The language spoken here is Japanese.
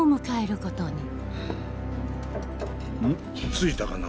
着いたかな？